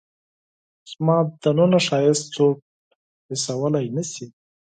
زما دننه ښایست څوک حسولای نه شي